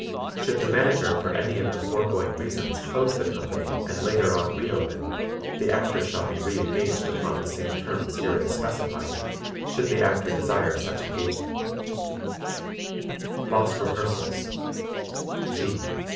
Should the manager for any of the foregoing reasons close the company and later on reopen, the Actor shall be re engaged upon the same terms herein specified, should the Actor desire such engagement. [Illustration: PEARL REGAY] Lost Rehearsals G.